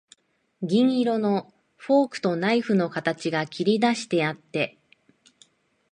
銀色のフォークとナイフの形が切りだしてあって、